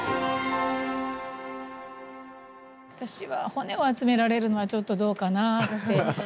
私は骨を集められるのはちょっとどうかなって。